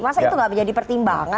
masa itu gak menjadi pertimbangan